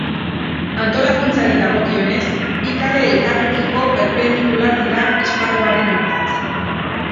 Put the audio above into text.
Antolakuntzari dagokionez, bi kale elkarrekiko perpendikular dira esparruaren ardatz.